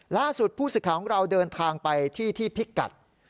ล่าสุดผู้สื่อข่าวของเราเดินทางไปที่ที่พิกัด